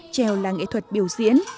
treo là nghệ thuật biểu diễn